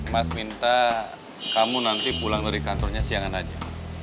mas minta kamu nanti pulang dari kantornya siangan aja